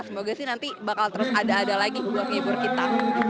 semoga sih nanti bakal terus ada ada lagi buat hibur kita